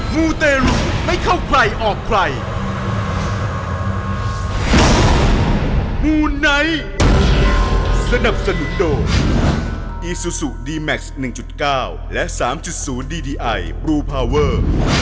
มูนไนท์สนับสนุนโดอีซูซูดีแม็กซ์๑๙และ๓๐ดีดีไอบลูพาเวอร์